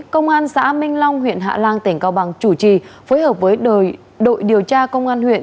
công an xã minh long huyện hạ lan tỉnh cao bằng chủ trì phối hợp với đội điều tra công an huyện